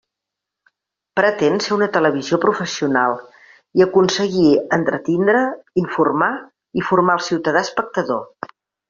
Pretén ser una televisió professional i aconseguir entretindre, informar i formar al ciutadà espectador.